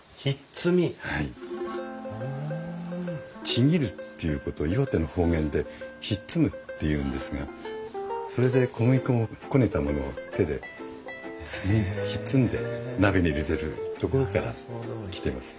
ちぎるっていうことを岩手の方言でひっつむっていうんですがそれで小麦粉をこねたものを手でひっつんで鍋に入れてるところから来てます。